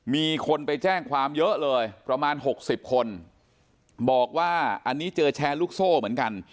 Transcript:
มีคนไปแจ้งความเยอะเลยประมาณ๖๐คนบอกว่าอันนี้เจอแชร์ลูกโซ่เหมือนกัน